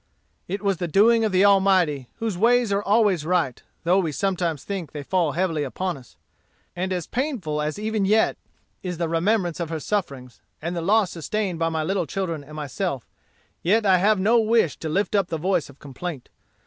"It was the doing of the Almighty, whose ways are always right, though we sometimes think they fall heavily on us. And as painful as even yet is the remembrance of her sufferings, and the loss sustained by my little children and myself, yet I have no wish to lift up the voice of complaint.